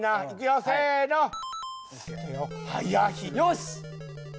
よし！